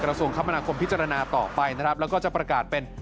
กระทรวงคำมคพิจารณาต่อไปและจะประกาศเป็น